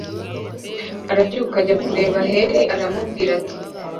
arabyuka ajya kureba heli, aramubwira ati